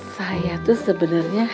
saya tuh sebenarnya